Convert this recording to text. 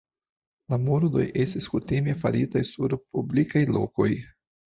La murdoj estis kutime faritaj sur publikaj lokoj.